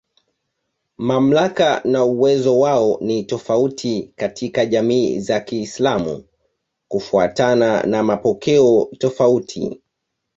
Mamlaka na uwezo wao ni tofauti katika jamii za Kiislamu kufuatana na mapokeo tofauti.